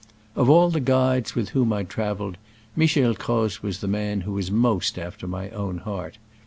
Of all the guides with whom I trav eled, Michel Croz was the man who was most after my own heart.